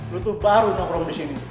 lu tuh baru keperom disini